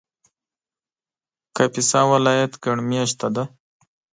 کاپیسا ولایت ګڼ مېشته دی